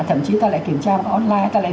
thậm chí ta lại kiểm tra online ta lại